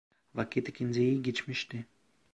Vakit ikindiyi geçmişti.